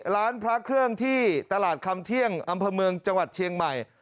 ร้านพระเครื่องที่ตลาดคำเที่ยงอำเภอเมืองจังหวัดเชียงใหม่